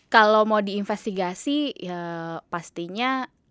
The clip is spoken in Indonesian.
kalau mau diinvestigasi pastinya